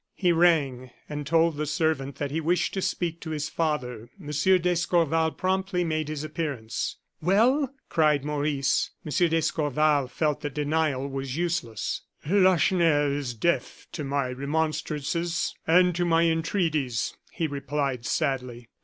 He rang, and told the servant that he wished to speak to his father. M. d'Escorval promptly made his appearance. "Well?" cried Maurice. M. d'Escorval felt that denial was useless. "Lacheneur is deaf to my remonstrances and to my entreaties," he replied, sadly.